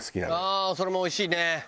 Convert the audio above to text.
ああそれもおいしいね。